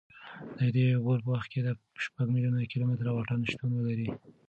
د دې عبور په وخت کې به شپږ میلیونه کیلومتره واټن شتون ولري.